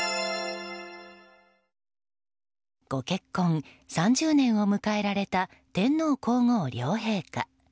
ご結婚３０年を迎えられた天皇・皇后両陛下。